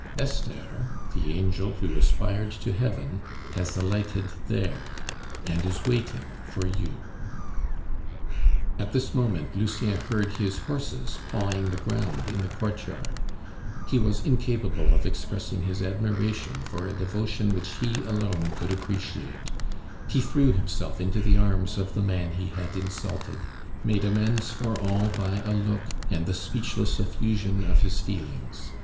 Esther, the angel who aspired to heaven, has alighted there, and is waiting for you." At this moment Lucien heard his horses pawing the ground in the courtyard; he was incapable of expressing his admiration for a devotion which he alone could appreciate; he threw himself into the arms of the man he had insulted, made amends for all by a look and the speechless effusion of his feelings.